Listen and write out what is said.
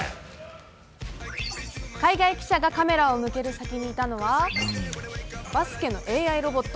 海外記者がカメラを向ける先にいたのはバスケのＡＩロボット。